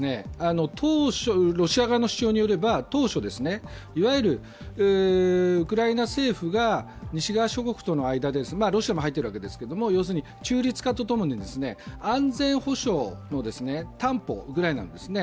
当初ロシア側の主張によれば、いわゆるウクライナ政府が西側諸国との間でロシアも入っているわけですが要するに中立化とともに安全保障の担保ぐらいなんですね。